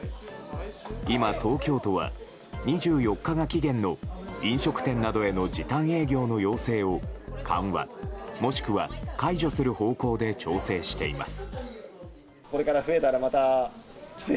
今、東京都は２４日が期限の飲食店などへの時短営業の要請を緩和もしくは解除する方向で調整しています。